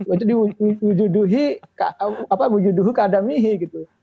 itu diwujuduhi keadamihi gitu